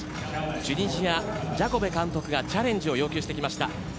チュニジアのジャコベ監督がチャレンジを要求してきました。